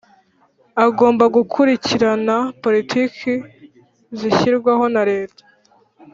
Agomba gukurikirana politiki zishyirwaho na Leta